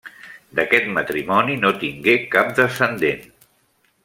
D'aquest matrimoni no tingué cap descendent.